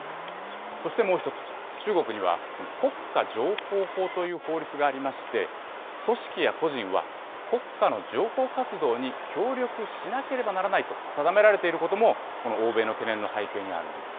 そしてもう一つ、中国には国家情報法という法律がありまして、組織や個人は、国家の情報活動に協力しなければならないと定められていることも、この欧米の懸念の背景にあるんです。